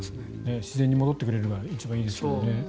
自然に戻ってくれるのが一番いいですけどね。